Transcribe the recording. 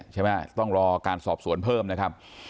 ใช่ไหมต้องรอการสอบสวนเพิ่มนะครับ